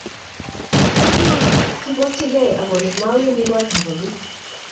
Kibwatyige akole mawendi kotab agui